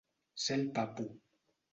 Ser el papu.